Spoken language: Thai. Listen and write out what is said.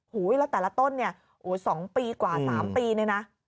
แล้วแต่ละต้นเนี่ยโอ้โห๒ปีกว่า๓ปีเนี่ยนะ